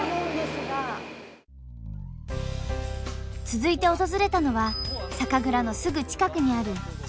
続いて訪れたのは酒蔵のすぐ近くにある醤油蔵。